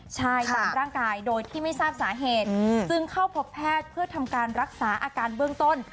ใช่ตามร่างกายโดยที่ไม่ทราบสาเหตุจึงเข้าพบแพทย์เพื่อทำการรักษาอาการเบื้องต้น